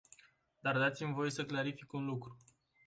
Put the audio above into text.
Dar dați-mi voie să clarific un lucru.